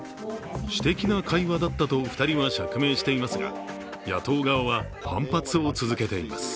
私的な会話だったと２人は釈明していますが野党側は反発を続けています。